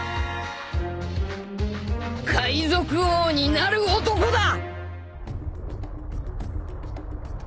海賊王になる男だ！！